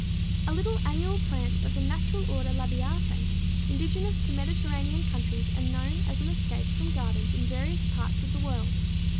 a little annual plant of the natural order Labiatæ indigenous to Mediterranean countries and known as an escape from gardens in various parts of the world.